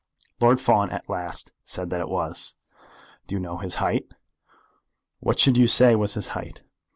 Lord Fawn at last said that it was. "Do you know his height? What should you say was his height?"